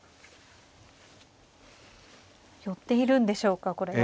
寄っているんでしょうかこれは。